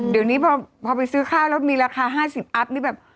เดี๋ยวนี้พอไปซื้อข้าวมีราคา๕๐อัพ